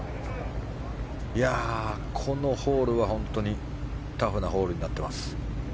このホールはタフなホールになっています。